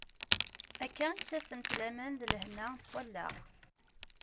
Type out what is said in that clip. Akka i ttafent laman d lehna n wallaɣ.